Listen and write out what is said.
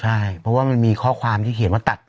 ใช่เพราะว่ามันมีข้อความที่เขียนว่าตัด